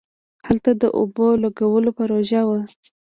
هلته د اوبو لگولو پروژه وه.